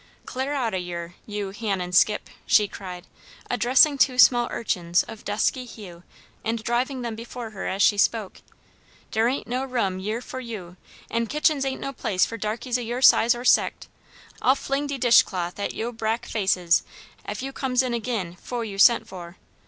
"Clar out o' yere, you, Han an' Scip," she cried, addressing two small urchins of dusky hue and driving them before her as she spoke, "dere aint no room yere fo' you, an' kitchens aint no place for darkies o' your size or sect. I'll fling de dishcloth at yo' brack faces ef yo' comes in agin fo' you sent for.